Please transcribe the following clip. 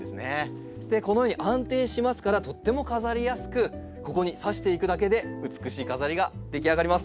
このように安定しますからとっても飾りやすくここに挿していくだけで美しい飾りが出来上がります。